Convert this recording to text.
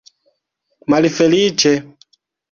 malfeliĉe